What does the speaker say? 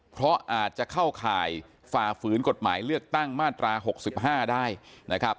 เพราะอาจจะเข้าข่ายฝ่าฝืนกฎหมายเลือกตั้งมาตรา๖๕ได้นะครับ